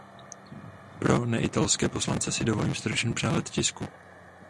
Pro neitalské poslance si dovolím stručný přehled tisku.